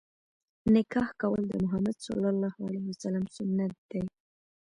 نکاح کول د مُحَمَّد ﷺ سنت دی.